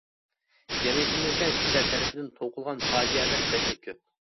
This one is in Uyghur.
جەمئىيىتىمىزدە كىشىلەر تەرىپىدىن توقۇلغان «پاجىئەلەر» بەكلا كۆپ!